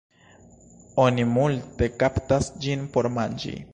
Oni multe kaptas ĝin por manĝi.